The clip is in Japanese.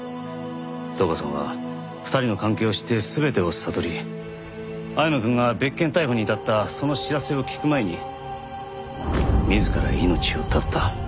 橙花さんは２人の関係を知って全てを悟り青山くんが別件逮捕に至ったその知らせを聞く前に自ら命を絶った。